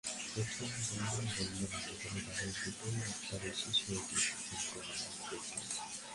প্রথমজন বললেন, আমাদের গাড়ি দুটো একেবারে শেষ হয়ে গেছে, কিন্তু আমরা বেঁচে গেছি।